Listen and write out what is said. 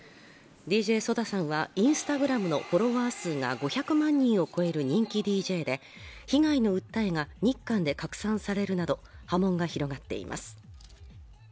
ＤＪＳＯＤＡさんはインスタグラムのフォロワー数が５００万人を超える人気ＤＪで被害の訴えが日韓で拡散されるなど波紋が広がっています